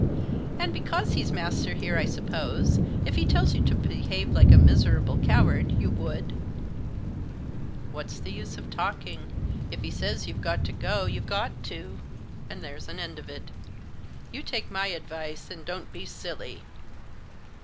" And, because he's master here, I suppose, if he tells you to behave like a miserable coward, you would ?"" What's the use of talking ? If he says you've got to go, you've got to, and there's an end of it You take my advice, and don't be silly."